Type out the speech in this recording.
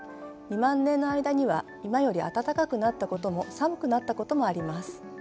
２万年の間には今より暖かくなったことも寒くなったこともあります。